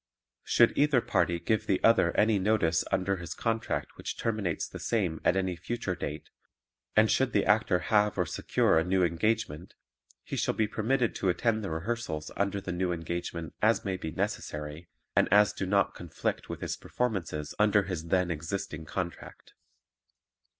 Should either party give the other any notice under his contract which terminates the same at any future date and should the Actor have or secure a new engagement he shall be permitted to attend the rehearsals under the new engagement as may be necessary and as do not conflict with his performances under his then existing contract.